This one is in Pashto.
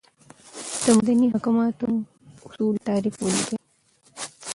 دمدني محاکماتو اصولو تعریف ولیکئ ؟